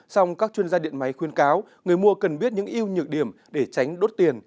song các chuyên gia điện máy khuyên cáo người mua cần biết những yêu nhược điểm để tránh đốt tiền